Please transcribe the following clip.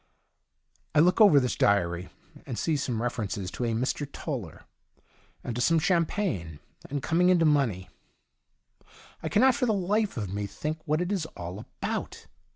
I look over this diary, and see some refer ences to a Mr. Toller, and to some champagne, and coming into money. I cannot for the life of me think what it is all about.